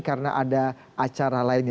karena ada acara lainnya